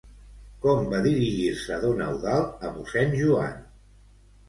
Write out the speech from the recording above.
Com va dirigir-se don Eudald a mossèn Joan?